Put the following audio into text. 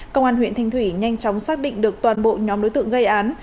công an huyện thanh thủy nhanh chóng xác định được toàn bộ nhóm đối tượng gây án